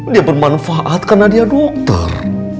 dia bermanfaat karena dia dokter